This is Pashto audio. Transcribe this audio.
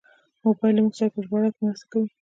موبایل له موږ سره په ژباړه کې مرسته کوي.